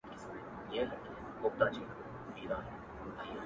• لقمانه ډېر به راوړې د خپل عقل مرهمونه ,